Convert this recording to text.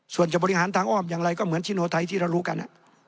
ส่วนจะบริหารทางอ้อมอย่างไรก็เหมือนชิโนไทยที่เรารู้กัน